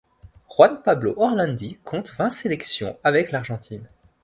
Juan Pablo Orlandi compte vingt sélections avec l'Argentine.